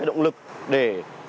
động lực để